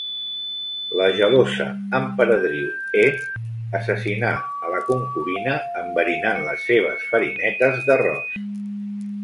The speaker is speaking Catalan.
La gelosa Emperadriu He assassinà a la concubina enverinant les seves farinetes d'arròs.